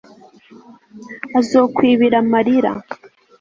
Azokwibira amarira